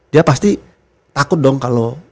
dia pasti takut dong kalau